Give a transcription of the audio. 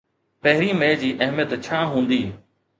پهرين مئي جي اهميت ڇا هوندي؟